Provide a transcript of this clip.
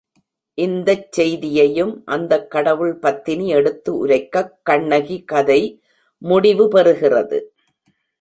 இந்தச் செய்தியையும் அந்தக் கடவுள்பத்தினி எடுத்து உரைக்கக் கண்ணகி கதை முடிவு பெறுகிறது.